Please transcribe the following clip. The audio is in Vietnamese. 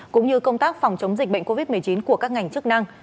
cũng như công tác phòng chống dịch bệnh covid một mươi chín của các ngành chức năng